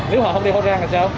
nếu họ không đi khẩu trang thì sao